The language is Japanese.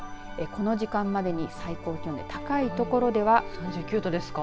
この時間までに最高気温で高い所では３９度ですか。